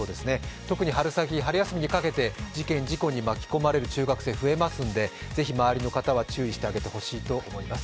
特に春先、春休みにかけて事件・事故に巻き込まれる中学生増えますんで、ぜひ周りの方は注意してあげてほしいと思います。